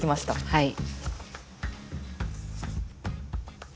はい。